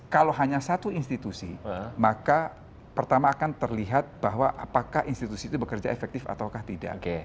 kalau hanya satu institusi maka pertama akan terlihat bahwa apakah institusi itu bekerja efektif atau tidak